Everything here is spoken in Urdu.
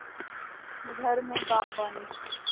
گھر میں باغبانی